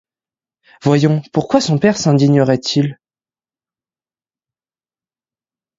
Voyons, pourquoi son père s'indignerait-il?